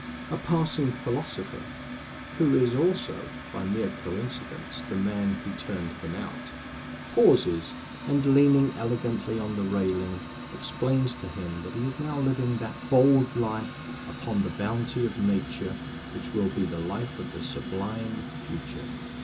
A passing philosopher (who is also, by a mere coincidence, the man who turned him out) pauses, and leaning elegantly on the railings, explains to him that he is now living that bold life upon the bounty of nature which will be the life of the sublime future.